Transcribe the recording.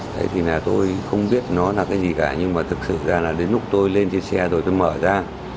thế thì là tôi không biết nó là cái gì cả nhưng mà thực sự ra là đến lúc tôi lên trên xe rồi tôi mở ra